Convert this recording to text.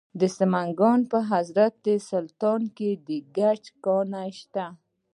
د سمنګان په حضرت سلطان کې د ګچ کان شته.